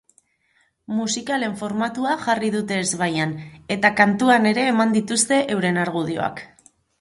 Musikalen formatua jarri dute ezbaian, eta kantuan ere eman dituzte euren argudioak!